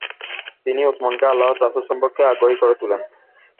তিনি উসমানকে আল্লাহর রাসূল সম্পর্কে আগ্রহী করে তুলেন।